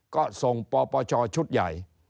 ก็ส่งปปชชุดใหญ่